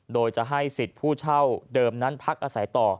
โดยจะให้สิทธิ์ผู้เช่าเดิมนั้นพักอาศัยต่อ